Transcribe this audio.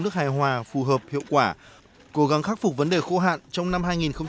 nước hài hòa phù hợp hiệu quả cố gắng khắc phục vấn đề khô hạn trong năm hai nghìn hai mươi